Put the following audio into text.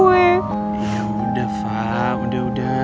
ya udah fah udah udah